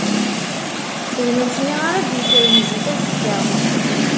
D nutni ara d-yekkren zik azekka.